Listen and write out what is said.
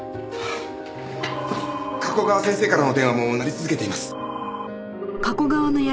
加古川先生からの電話も鳴り続けています。